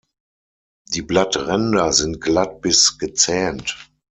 Die Blattränder sind glatt bis gezähnt.